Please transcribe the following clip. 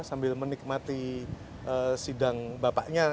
sambil menikmati sidang bapaknya